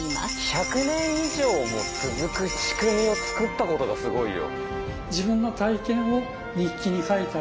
１００年以上も続く仕組みを作ったことがすごいよ。